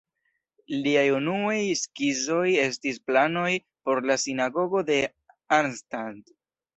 Liaj unuaj skizoj estis planoj por la Sinagogo de Arnstadt.